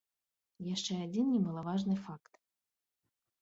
Яшчэ адзін немалаважны факт.